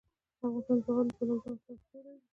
افغانستان د زغال د پلوه ځانته ځانګړتیا لري.